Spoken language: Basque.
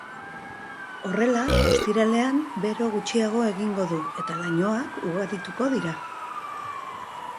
Horrela, ostiralean bero gutxiago egingo du eta lainoak ugarituko dira.